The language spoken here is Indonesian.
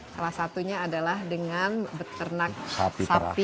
salah satunya adalah dengan peternakan sapi perah